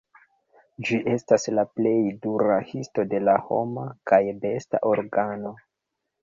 Ĝi estas la plej dura histo de la homa kaj besta organo.